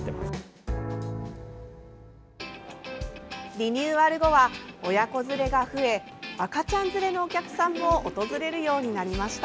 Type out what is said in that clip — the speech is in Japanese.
リニューアル後は親子連れが増え赤ちゃん連れのお客さんも訪れるようになりました。